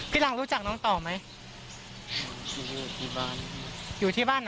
พี่หลังรู้จักน้องต่อไหมอ๋ออยู่ที่บ้าน